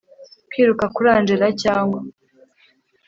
kwiruka kuri angella cyangwa